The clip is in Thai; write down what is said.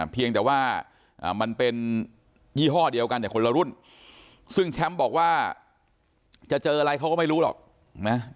เพียงแต่ว่ามันเป็นยี่ห้อเดียวกันแต่คนละรุ่นซึ่งแชมป์บอกว่าจะเจออะไรเขาก็ไม่รู้หรอกนะ